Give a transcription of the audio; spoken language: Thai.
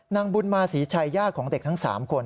นางบุญมาศรีชัยย่าของเด็กทั้ง๓คน